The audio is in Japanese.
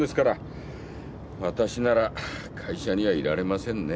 わたしなら会社にはいられませんね。